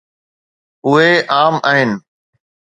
اهي عام آهن.